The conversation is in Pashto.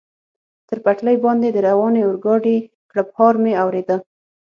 پر پټلۍ باندې د روانې اورګاډي کړپهار مې اورېده.